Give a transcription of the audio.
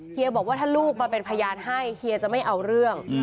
บอกว่าถ้าลูกมาเป็นพยานให้เฮียจะไม่เอาเรื่อง